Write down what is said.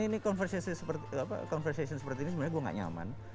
ini conversation seperti ini sebenarnya gue gak nyaman